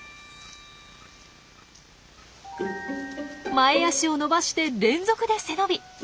前足を伸ばして連続で背伸び。